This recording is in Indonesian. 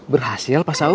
berhasil pak saum